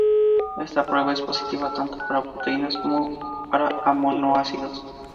Esta prueba es positiva tanto para proteínas como para aminoácidos.